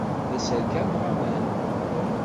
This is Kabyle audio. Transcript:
La d-sserkameɣ aman.